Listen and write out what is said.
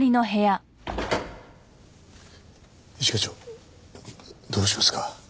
一課長どうしますか？